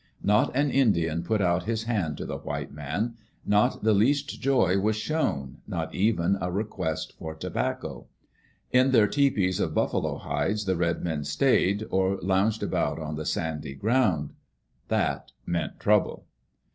Not an Indian put out his hand to the white man; not the least joy was shown; not even a request for tobacco. In their tepees of buffalo hides the red men stayed, or lounged about on the sandy ground. That meant trouble.